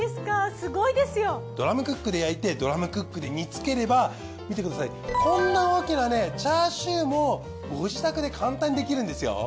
すごいですよ。ドラムクックで焼いてドラムクックで煮つければ見てくださいこんな大きなねチャーシューもご自宅で簡単にできるんですよ。